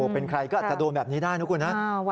เป็นใครก็อาจจะโดนแบบนี้ได้นะคุณนะ